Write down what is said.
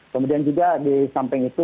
kemudian juga di samping itu